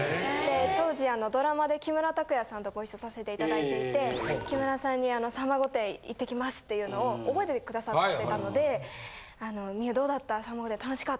当時ドラマで木村拓哉さんとご一緒させていただいていて木村さんに『さんま御殿！！』行ってきますっていうのを覚えててくださってたので「望生どうだった」。